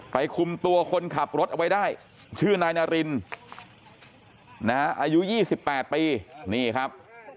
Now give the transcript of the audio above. คุมตัวคนขับรถเอาไว้ได้ชื่อนายนารินอายุ๒๘ปีนี่ครับ